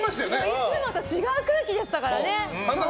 いつもと違う空気でしたからね。